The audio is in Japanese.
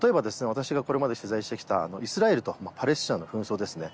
私がこれまで取材してきたイスラエルとパレスチナの紛争ですね